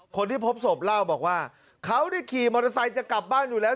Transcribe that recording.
คนที่พบศพเล่าบอกว่าเขาได้ขี่มอเตอร์ไซค์จะกลับบ้านอยู่แล้ว